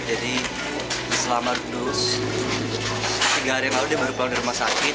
jadi selama berduduk tiga hari lalu dia baru pulang dari rumah sakit